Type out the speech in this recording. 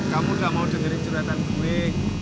kamu udah mau dengerin curhatan gue